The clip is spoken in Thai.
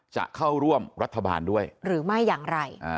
จะเข้าร่วมรัฐบาลด้วยหรือไม่อย่างไร